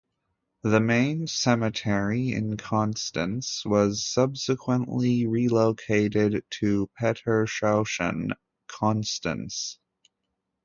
The main cemetery in Constance was subsequently relocated to Petershausen (Constance).